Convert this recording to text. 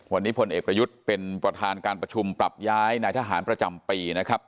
วันนี้พลเอกประยุทธ์เป็นประธานการประชุมปรับย้ายนายทหารประจำปีนะครับ